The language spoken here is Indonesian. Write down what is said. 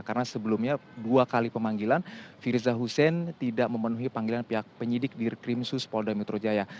karena sebelumnya dua kali pemanggilan firza husein tidak memenuhi panggilan pihak penyidik di krimsus polda metro jaya